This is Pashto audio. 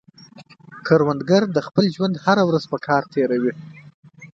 کروندګر د خپل ژوند هره ورځ په کار تېروي